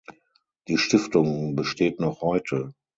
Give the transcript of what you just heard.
Die Stiftung besteht noch heute.